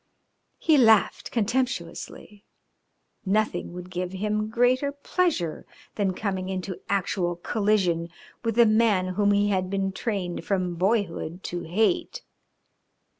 He laughed contemptuously. Nothing would give him greater pleasure than coming into actual collision with the man whom he had been trained from boyhood to hate.